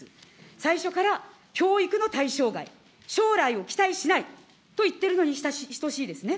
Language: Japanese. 最初から教育の対象外、将来を期待しないと言ってるのに等しいですね。